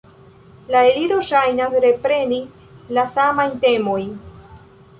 La Eliro ŝajnas repreni la samajn temojn.